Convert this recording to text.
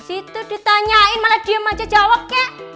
itu ditanyain malah dia maja jawabnya